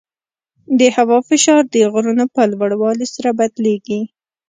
د هوا فشار د غرونو په لوړوالي سره بدلېږي.